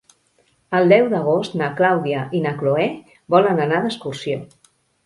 El deu d'agost na Clàudia i na Cloè volen anar d'excursió.